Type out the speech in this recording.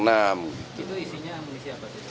itu isinya amunisi apa saja